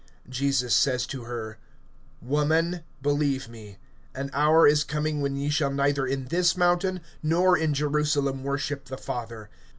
(21)Jesus says to her: Woman, believe me, an hour is coming, when ye shall neither in this mountain nor in Jerusalem worship the Father.